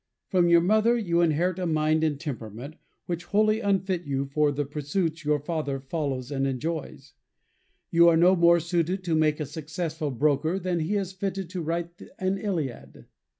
Prom your mother you inherit a mind and temperament which wholly unfit you for the pursuits your father follows and enjoys. You are no more suited to make a successful broker than he is fitted to write an Iliad.